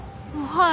はい。